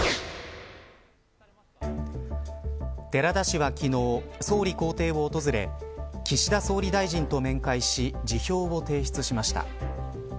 寺田氏は昨日、総理公邸を訪れ岸田総理大臣と面会し辞表を提出しました。